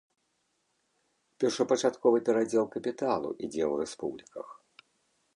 Першапачатковы перадзел капіталу ідзе ў рэспубліках.